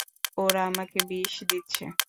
ওরা আমাকে বিষ দিচ্ছে।